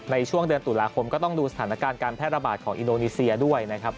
ในช่วงเดือนตุลาคมก็ต้องดูสถานการณ์การแพร่ระบาดของอินโดนีเซียด้วยนะครับ